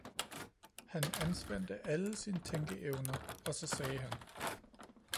Han anspændte alle sine tænkeevner og så sagde han